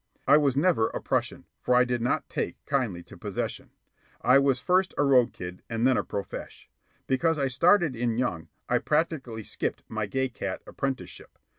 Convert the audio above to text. I was never a prushun, for I did not take kindly to possession. I was first a road kid and then a profesh. Because I started in young, I practically skipped my gay cat apprenticeship.